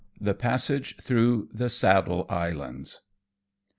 THE PASSAGE THROUGH THE SADDLE ISLANDS.